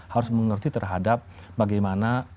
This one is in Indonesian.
harus mengerti terhadap bagaimana ancaman itu bisa terjadi